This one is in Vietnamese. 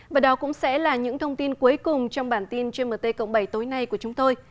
và đó cũng sẽ là những thông tin cuối cùng trong bản tin gmt cộng bảy tối nay của chúng tôi